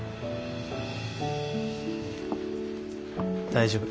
大丈夫。